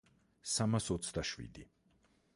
სამას ოცდაშვიდი.